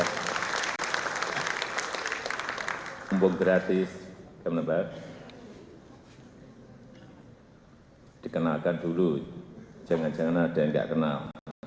kumpul gratis teman teman dikenalkan dulu jangan jangan ada yang enggak kenal